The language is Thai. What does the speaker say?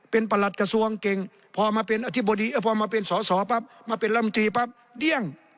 เป็นประหลัดกระทรวงเก่งพอมาเป็นสอสอมาเป็นลำตีเดี้ยง